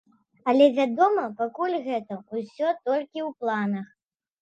Але, вядома, пакуль гэта ўсё толькі ў планах.